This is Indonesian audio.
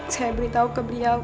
saya beritahu ke beliau